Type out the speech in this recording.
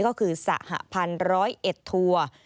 ก็คือสหพันธ์๑๐๑ทัวร์